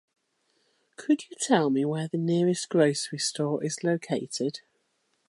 Could you tell me where the nearest grocery store is located?